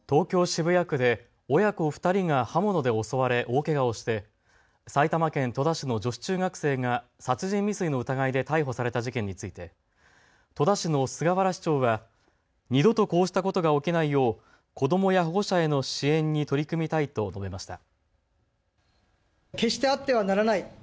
渋谷区で親子２人が刃物で襲われ大けがをして埼玉県戸田市の女子中学生が殺人未遂の疑いで逮捕された事件について戸田市の菅原市長は二度とこうしたことが起きないよう子どもや保護者への支援に取り組みたいと述べました。